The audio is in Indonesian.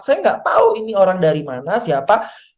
saya gak tau ini orang dari mana siapa